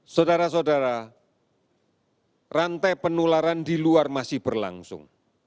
saudara saudara rantai penularan di luar masih berlangsung